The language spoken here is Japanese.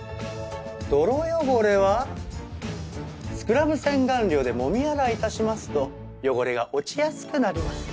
泥汚れはスクラブ洗顔料でもみ洗い致しますと汚れが落ちやすくなります。